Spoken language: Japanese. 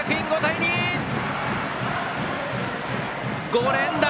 ５連打！